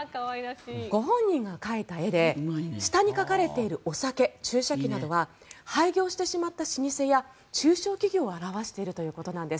ご本人が描いた絵で下に描かれているお酒注射器などは廃業してしまった老舗や中小企業を表しているということです。